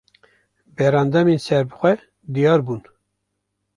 Berendamên serbixwe diyar bûn